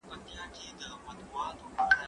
زه له سهاره د ښوونځی لپاره تياری کوم؟!